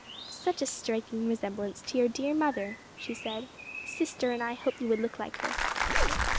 "Such a striking resemblance to your dear mother," she said. "Sister and I hoped you would look like her."